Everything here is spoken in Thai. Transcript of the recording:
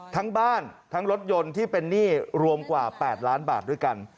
ทั้งบ้านทั้งรถยนต์ที่เป็นหนี้รวมกว่า๘ล้านบาทด้วยกัน